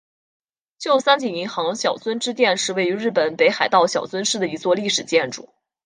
旧三井银行小樽支店是位于日本北海道小樽市的一座历史建筑。